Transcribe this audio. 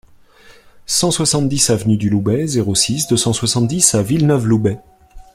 cent soixante-dix avenue du Loubet, zéro six, deux cent soixante-dix à Villeneuve-Loubet